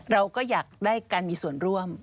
เราก็อยากได้การมีส่วนร่วม